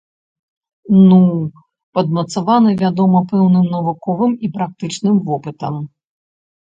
Ну, падмацаваным, вядома, пэўным навуковым і практычным вопытам.